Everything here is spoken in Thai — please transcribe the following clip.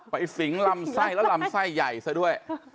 สิงลำไส้แล้วลำไส้ใหญ่ซะด้วย